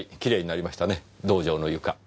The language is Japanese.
道場の床。